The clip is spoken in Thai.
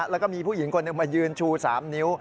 แล้วก็มีผู้หญิงคนหนึ่งมายืนชู๓นิ้ว